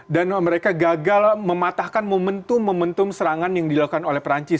mereka gagal mematahkan momentum momentum serangan yang dilakukan oleh perancis